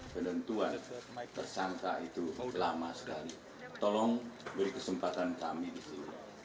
penentuan tersangka itu lama sekali tolong beri kesempatan kami di situ